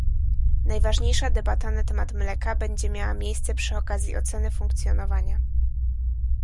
Najważniejsza debata na temat mleka będzie miała miejsce przy okazji oceny funkcjonowania